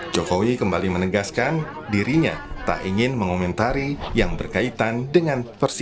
jokowi kembali menegaskan dirinya tak ingin mengomentari yang berkaitan dengan persidangan